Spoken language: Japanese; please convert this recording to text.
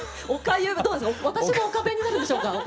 私もおか弁になるんでしょうか？